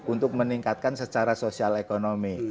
untuk meningkatkan secara sosial ekonomi